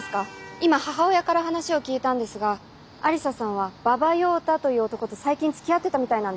今母親から話を聞いたんですが愛理沙さんは馬場耀太という男と最近つきあってたみたいなんです。